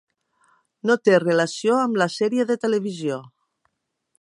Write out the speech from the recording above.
No té relació amb la sèrie de televisió.